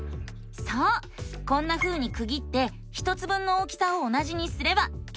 こんなふうにくぎって１つ分の大きさを同じにすれば計算できるんだよね！